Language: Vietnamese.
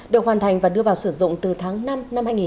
được hoàn thành và đưa vào sử dụng từ tháng năm năm hai nghìn một mươi